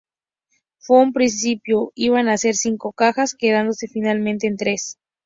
En un principio iban a ser cinco cajas, quedándose finalmente en tres.